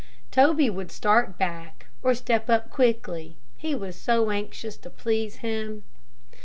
Toby would start back, or step up quickly, he was so anxious to please him.